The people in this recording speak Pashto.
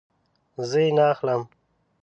زه یی نه اخلم